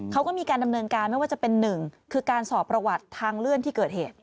เขาก็มีการดำเนินการไม่ว่าจะเป็นหนึ่งคือการสอบประวัติทางเลื่อนที่เกิดเหตุ